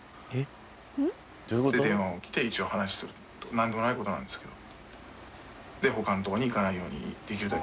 なんでもない事なんですけど。